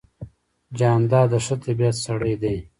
جانداد د ښه طبیعت سړی دی.